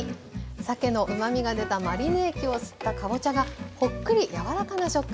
さけのうまみが出たマリネ液を吸ったかぼちゃがほっくり柔らかな食感になります。